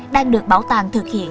đang được bảo tàng thực hiện